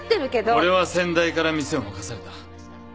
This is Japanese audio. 俺は先代から店を任された。